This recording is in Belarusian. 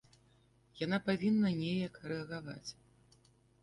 Яна павінна неяк рэагаваць.